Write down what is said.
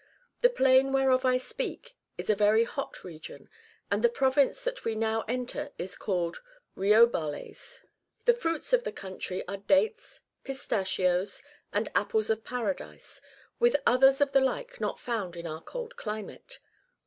The plain whereof I speak is a very hot region ; and the province that we now enter is called Reobarles. The fruits of the country are dates, pistachioes, and apples of Paradise, with others of the like not found in our cold climate.